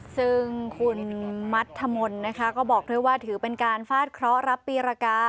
ซึ่งคุณมัธมนต์นะคะก็บอกด้วยว่าถือเป็นการฟาดเคราะห์รับปีรกา